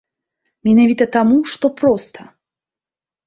Менавіта таму, што проста.